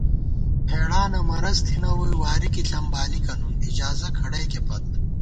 ہېڑانہ مرض تھنہ ووئی ، واری کی ݪم بالِکہ ، نُون اِجازہ کھڑئیکے پت